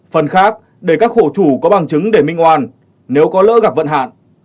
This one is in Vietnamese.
phần khác để các khổ chủ có bằng chứng để minh hoàn nếu có lỡ gặp vận hạn